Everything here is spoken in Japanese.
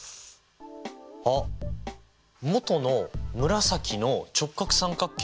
あっ元の紫の直角三角形と合同？